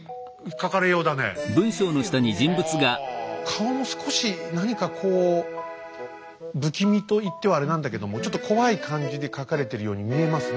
顔も少し何かこう不気味といってはあれなんだけどもちょっと怖い感じで描かれてるように見えますね。